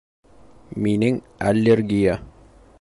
Минең аллергия